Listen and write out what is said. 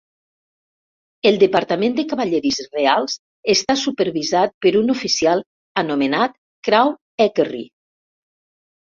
El Departament de Cavallerisses Reials està supervisat per un oficial anomenat Crown Equerry.